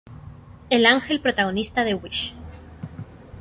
El ángel protagonista de "Wish".